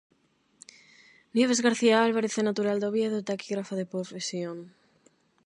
Nieves García Álvarez é natural de Oviedo e taquígrafa de profesión.